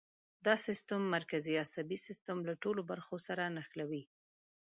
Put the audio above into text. دا سیستم مرکزي عصبي سیستم له ټولو برخو سره نښلوي.